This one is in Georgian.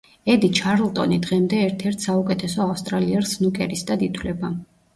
ედი ჩარლტონი დღემდე ერთ-ერთ საუკეთესო ავსტრალიელ სნუკერისტად ითვლება.